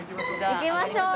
行きましょう！